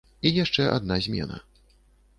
І яшчэ адна змена.